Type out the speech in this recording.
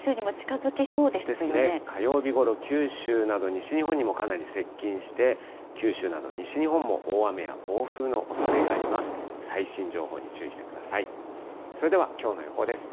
ですね、火曜日ごろ、九州など西日本にもかなり接近して、九州など、西日本にも大雨や暴風のおそれがあります。